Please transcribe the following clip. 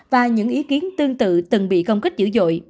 và những ý kiến tương tự từng bị công kích